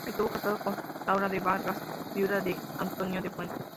Estuvo casado con Laura de Vargas, viuda de Antonio de Fuentes.